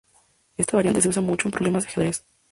Esta variante se usa mucho en problemas de ajedrez.